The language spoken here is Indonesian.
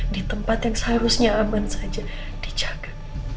di tempat yang seharusnya aman saja dijaga